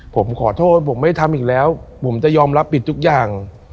ผมขอโทษผมไม่ทำอีกแล้วผมจะยอมรับผิดทุกอย่าง